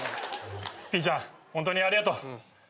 ピーちゃんホントにありがとう。